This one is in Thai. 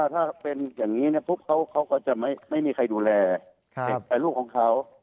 ถ้าเป็นอย่างนี้ปุ๊บเขาก็จะไม่มีใครดูแลลูกของเขา